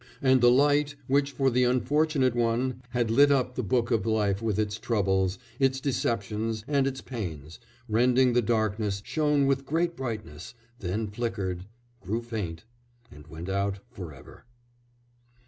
"And the light which, for the unfortunate one, had lit up the book of life with its troubles, its deceptions, and its pains rending the darkness, shone with greater brightness, then flickered, grew faint, and went out for ever."